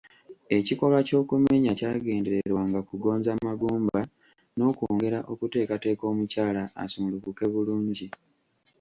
Ekikolwa ky’okumenya kyagendererwanga kugonza magumba n’okwongera okuteekateeka omukyala asumulukuke bulungi.